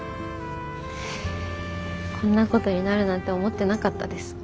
こんなことになるなんて思ってなかったです。